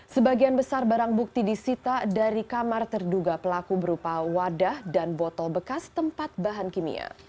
sebagian besar barang bukti disita dari kamar terduga pelaku berupa wadah dan botol bekas tempat bahan kimia